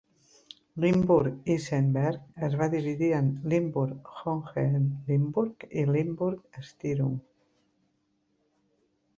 Limburg-Isenberg es va dividir en Limburg-Hohenlimburg i Limburg-Styrum.